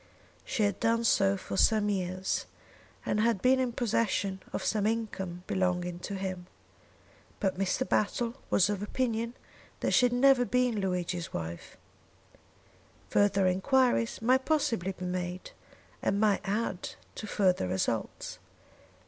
She had done so for some years and had been in possession of some income belonging to him. But Mr. Battle was of opinion that she had never been Luigi's wife. Further enquiries might possibly be made, and might add to further results.